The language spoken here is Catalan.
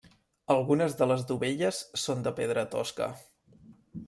Algunes de les dovelles són de pedra tosca.